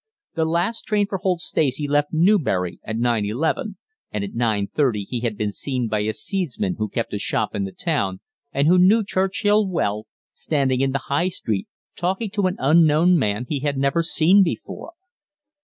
The last train for Holt Stacey left Newbury at 9:11, and at 9:30 he had been seen by a seedsman who kept a shop in the town, and who knew Churchill well, standing in the High Street talking to an unknown man he had never seen before.